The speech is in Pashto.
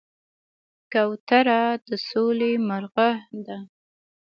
کوتره د سولې مرغه ده.